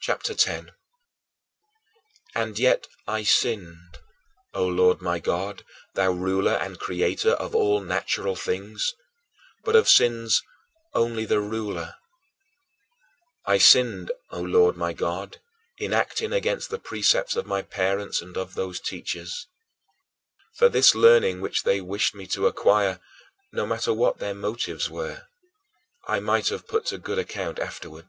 CHAPTER X 16. And yet I sinned, O Lord my God, thou ruler and creator of all natural things but of sins only the ruler I sinned, O Lord my God, in acting against the precepts of my parents and of those teachers. For this learning which they wished me to acquire no matter what their motives were I might have put to good account afterward.